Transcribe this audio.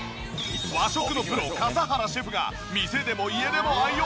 和食のプロ笠原シェフが店でも家でも愛用！